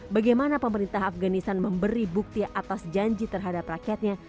bagaimana pemerintah afganistan memberi bukti atas janji terhadap rakyatnya